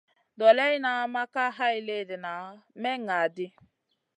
Doleyna ma ka hay léhdéna may ŋah ɗi.